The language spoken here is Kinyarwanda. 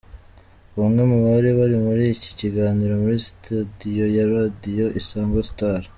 Bamwe mu bari bari muri iki kiganiro muri Studio ya Radio Isango Star.